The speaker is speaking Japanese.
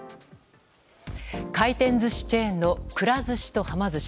回転寿司チェーンのくら寿司と、はま寿司。